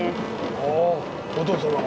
ああお父様が？